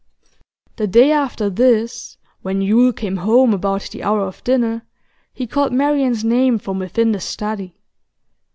The day after this, when Yule came home about the hour of dinner, he called Marian's name from within the study.